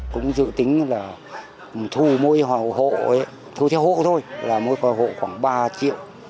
cũng dự tính là thu theo hộ thôi là mỗi hộ khoảng ba triệu